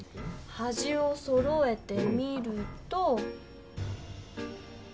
はじをそろえてみると。